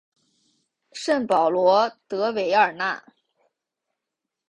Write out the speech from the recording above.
圣保罗德韦尔讷。